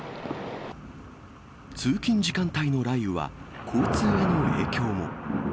通勤時間帯の雷雨は、交通への影響も。